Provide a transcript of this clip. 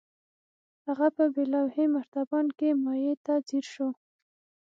هغه په بې لوحې مرتبان کې مايع ته ځير شو.